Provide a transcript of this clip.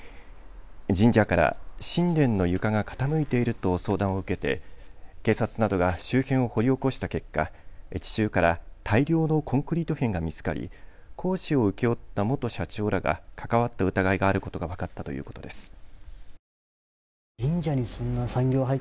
神社から神殿の床が傾いていると相談を受けて警察などが周辺を掘り起こした結果、地中から大量のコンクリート片が見つかり工事を請け負った元社長らが関わった疑いがあることが分かったということです。